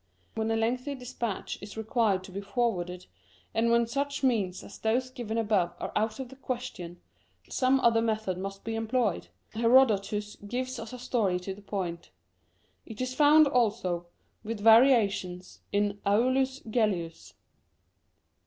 When a lengthy despatch is required to be forwarded, and when such means as those given above are out of the question, some other method must be employed. Herodotus gives us a story to the point : it is found also, with varia tions, in Aulus Gellius.